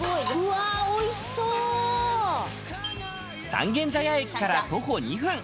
三軒茶屋駅から徒歩２分。